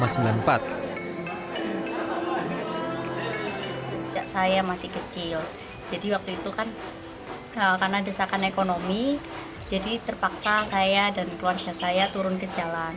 sejak saya masih kecil jadi waktu itu kan karena desakan ekonomi jadi terpaksa saya dan keluarga saya turun ke jalan